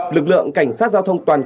lực lượng cảnh sát giao thông toàn quốc